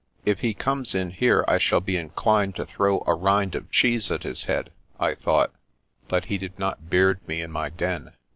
" If he comes in here, I shall be inclined to throw a rind of cheese at his head," I thought ; but he did not beard me in my den.